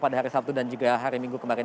pada hari sabtu dan juga hari minggu kemarin